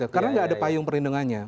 karena tidak ada payung perlindungannya